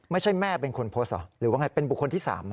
ไม่ใช่แม่เป็นคนโพสต์หรอหรือเป็นบุคคลที่๓อ่ะ